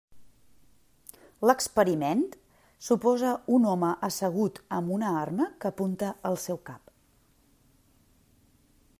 L'experiment suposa un home assegut amb una arma que apunta al seu cap.